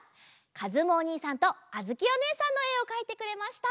かずむおにいさんとあづきおねえさんのえをかいてくれました！